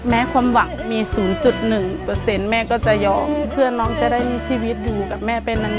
ความหวังมี๐๑แม่ก็จะยอมเพื่อนน้องจะได้มีชีวิตอยู่กับแม่ไปนาน